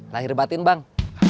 lahir batin bang